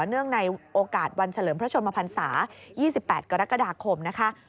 เนื่องในโอกาสวันเฉลิมพระชนมพันศา๒๘กรกฎาคมนะคะ